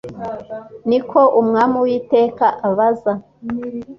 Ni ko Umwami Uwiteka abaza